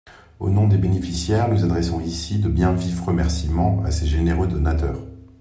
Au nom des bénéficiaires, nous adressons ici, de biens vifs remerciements à ces généreux donateurs.